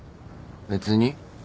別に。